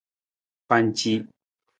Panci.